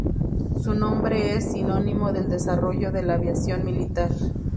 Su nombre es "sinónimo del desarrollo de la aviación militar".